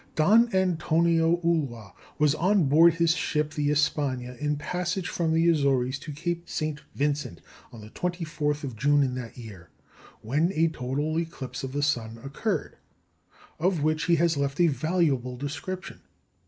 Don Antonio Ulloa was on board his ship the Espagne in passage from the Azores to Cape St. Vincent on the 24th of June in that year, when a total eclipse of the sun occurred, of which he has left a valuable description.